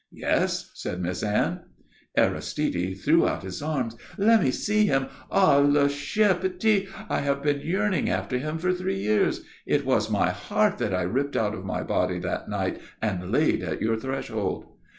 "Yes," said Miss Anne. Aristide threw out his arms. "Let me see him. Ah, le cher petit! I have been yearning after him for three years. It was my heart that I ripped out of my body that night and laid at your threshold."